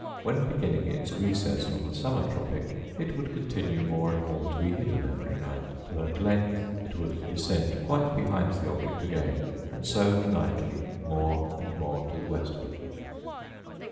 When beginning its recess from the summer tropic, it would continue more and more to be hidden every night, till at length it would descend quite behind the object again; and so nightly more and more to the westward.